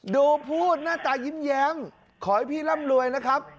ดูพูดหน้าตายิ้มแย้มขอให้พี่ร่ำรวยนะครับ